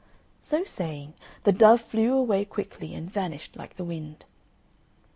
So saying, the dove flew away quickly and vanished like the wind.